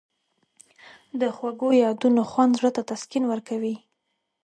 د خوږو یادونو خوند زړه ته تسکین ورکوي.